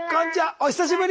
お久しぶり！